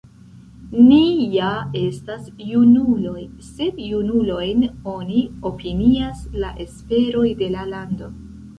Ni ja estas junuloj, sed junulojn oni opinias la esperoj de la lando!